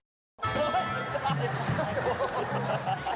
อ๋อได้